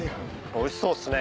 おいしそうっすね。